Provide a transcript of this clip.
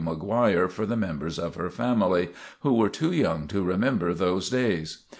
McGuire for the members of her family, "who were too young to remember those days."